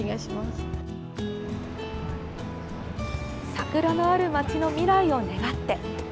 桜のある街の未来を願って。